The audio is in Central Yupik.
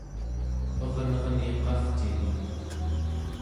ernerni qavcini